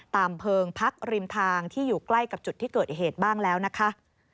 เพิงพักริมทางที่อยู่ใกล้กับจุดที่เกิดเหตุบ้างแล้วนะคะ